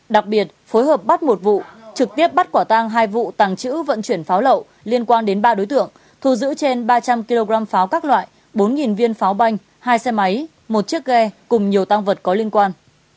đặc biệt phối hợp bắt một vụ trực tiếp bắt quả tang hai vụ tàng trữ vận chuyển pháo lậu liên quan đến ba đối tượng thu giữ trên ba trăm linh kg pháo các loại bốn viên pháo banh hai xe máy một chiếc ghe cùng nhiều tăng vật có liên quan